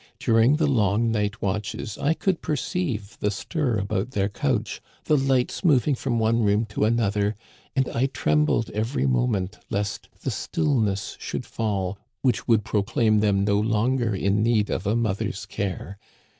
During the long night watches I could perceive the stir about their couch, the lights moving from one room to another ; and I trembled every moment lest the stillness should fall which would proclaim them no long er in need of a mother's care.